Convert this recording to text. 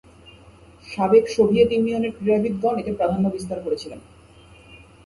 সাবেক সোভিয়েত ইউনিয়নের ক্রীড়াবিদগণ এতে প্রাধান্য বিস্তার করেছিলেন।